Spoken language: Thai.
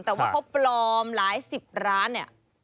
แต่ว่าเขาปลอมหลายสิบร้านเนี่ย